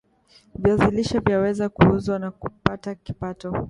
viazi lishe vyaweza kuuzwa na kupata kipato